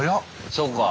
そうか。